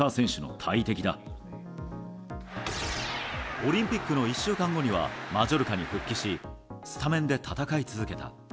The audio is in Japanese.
オリンピックの１週間後にはマジョルカに復帰しスタメンで戦い続けた。